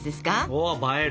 お映える！